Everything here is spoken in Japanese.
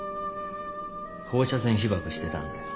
放射線被ばくしてたんだよ。